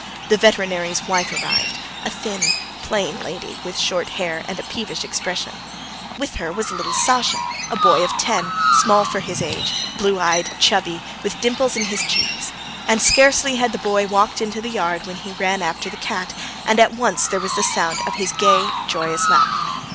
The veterinary's wife arrived a thin, plain lady, with short hair and a peevish expression. With her was her little Sasha, a boy of ten, small for his age, blue eyed, chubby, with dimples in his cheeks. And scarcely had the boy walked into the yard when he ran after the cat, and at once there was the sound of his gay, joyous laugh.